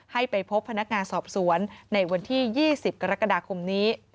ให้ไปพบพนักงานสอบสวนในวันที่๒๐กรกฎาคมนี้